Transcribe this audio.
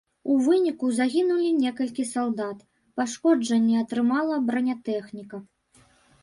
У выніку загінулі некалькі салдат, пашкоджанні атрымала бранятэхніка.